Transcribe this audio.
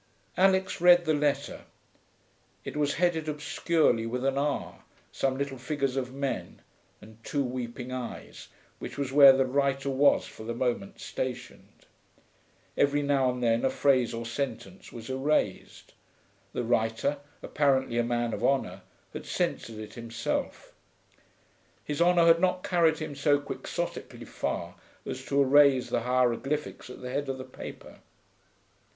Alix read the letter. It was headed obscurely with an R, some little figures of men, and two weeping eyes, which was where the writer was for the moment stationed. Every now and then a phrase or sentence was erased. The writer, apparently a man of honour, had censored it himself. His honour had not carried him so quixotically far as to erase the hieroglyphics at the head of the paper.